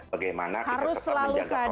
bagaimana kita tetap menjaga protokol kesehatan